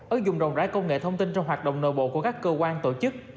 ứng dụng rộng rãi công nghệ thông tin trong hoạt động nội bộ của các cơ quan tổ chức